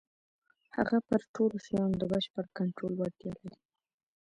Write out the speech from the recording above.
هغه پر ټولو شيانو د بشپړ کنټرول وړتيا لري.